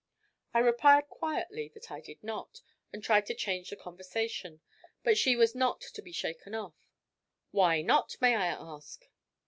I replied quietly that I did not, and tried to change the conversation; but she was not to be shaken off. "Why not, may I ask?"